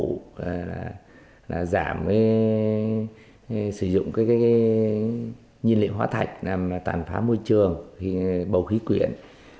chính phủ giảm sử dụng nhiên liệu hóa thạch làm tàn phá môi trường bầu khí quyển